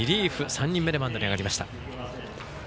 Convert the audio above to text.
３人目でマウンドに上がりました。